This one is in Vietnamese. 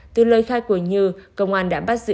từ lời khai của như công an đã bắt giữ